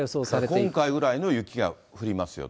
今回ぐらいの雪が降りますよと。